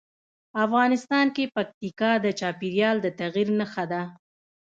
افغانستان کې پکتیکا د چاپېریال د تغیر نښه ده.